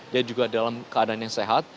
dia juga dalam keadaan yang sehat